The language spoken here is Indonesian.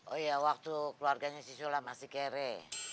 oh iya waktu keluarganya si sula masih kere